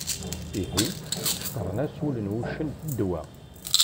Ihi, cekkṛen-as ul n wuccen d ddwa.